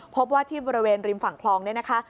พบว่าที่บริเวณริมฝั่งคลองเนี่ยนะคะ